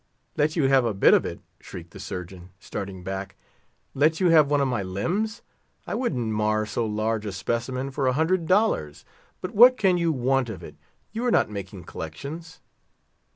"Let you have a bit of it!" shrieked the Surgeon, starting back. "Let you have one of my limbs! I wouldn't mar so large a specimen for a hundred dollars; but what can you want of it? You are not making collections!"